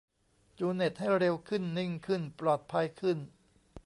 จูนเน็ตให้เร็วขึ้น นิ่งขึ้น ปลอดภัยขึ้น